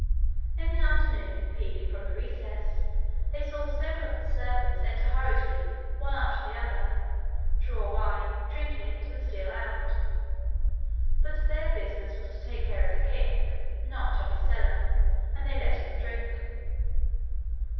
In the afternoon, peeping from the recess, they saw several of the servants enter hurriedly, one after the other, draw wine, drink it, and steal out; but their business was to take care of the king, not of his cellar, and they let them drink.